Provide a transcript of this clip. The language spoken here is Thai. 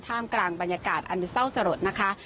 กลางบรรยากาศอันเศร้าสลดนะคะ